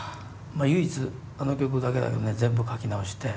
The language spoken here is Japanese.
唯一あの曲だけだけどね全部書き直して。